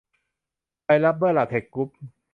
ไทยรับเบอร์ลาเท็คซ์กรุ๊ป